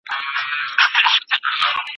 د ناروغۍ پر مهال بايد صبر او زغم ولرو.